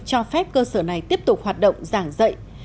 cho phép cơ sở này tiếp tục hoạt động giảng dạy